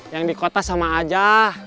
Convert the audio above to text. yang di kota sama aja